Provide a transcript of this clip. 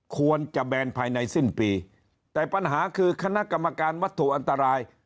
ควรจะแบนภายในสิ้นปีแต่ปัญหาคือคณะกรรมการวัตถุอันตราย